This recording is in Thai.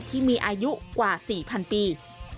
ที่มีอายุกว่า๔๐๐ปี